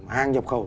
hàng nhập khẩu